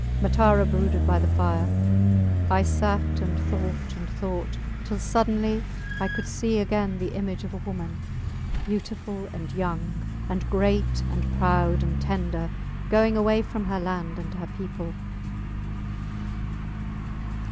Matara brooded by the fire. I sat and thought and thought, till suddenly I could see again the image of a woman, beautiful, and young, and great and proud, and tender, going away from her land and her people.